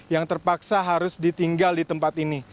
yang terpaksa harus ditinggal di tempat ini